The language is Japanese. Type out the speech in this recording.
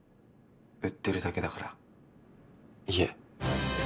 売ってるだけだから家。